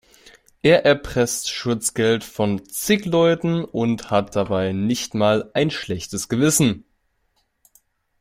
Er erpresst Schutzgeld von zig Leuten und hat dabei nicht mal ein schlechtes Gewissen.